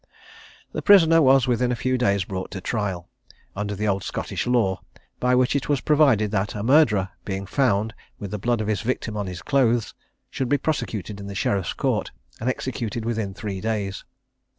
The prisoner was within a few days brought to trial, under the old Scottish law, by which it was provided that a murderer, being found with the blood of his victim on his clothes, should be prosecuted in the Sheriff's Court, and executed within three days.